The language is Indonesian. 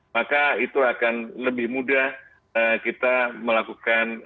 maka itu akan lebih mudah kita melakukan proses belajar tetap muka